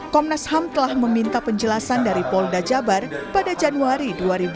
komnas ham telah meminta penjelasan dari polda jabar pada januari dua ribu dua puluh